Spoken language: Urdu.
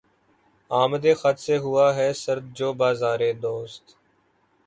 آمدِ خط سے ہوا ہے سرد جو بازارِ دوست